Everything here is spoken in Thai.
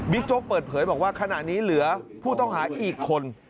โจ๊กเปิดเผยบอกว่าขณะนี้เหลือผู้ต้องหาอีกคน